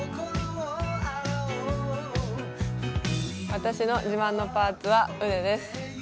私の自慢のパーツは腕です。